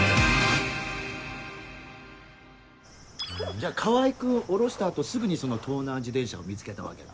じゃあ川合君降ろした後すぐにその盗難自転車を見つけたわけだ。